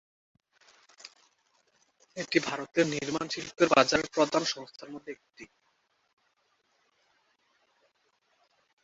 এটি ভারতের নির্মাণ শিল্পের বাজারের প্রধান সংস্থার মধ্যে একটি।